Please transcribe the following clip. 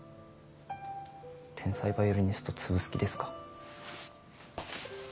天才ヴァイオリニスト潰す気ですか？